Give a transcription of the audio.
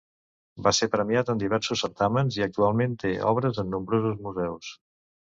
Va ser premiat en diversos certàmens i actualment té obres en nombrosos museus.